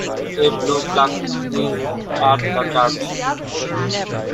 A Blue Plaque is at the church.